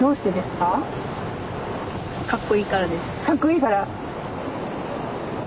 かっこいいから。